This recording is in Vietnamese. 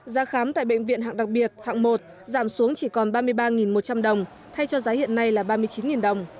giá khám tại bệnh viện hạng đặc biệt hạng một giảm xuống chỉ còn ba mươi ba một trăm linh đồng thay cho giá hiện nay là ba mươi chín đồng